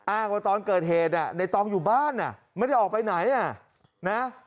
อ้างว่าตอนเกิดเหตุนายตองอยู่บ้านไม่ได้ออกไปไหน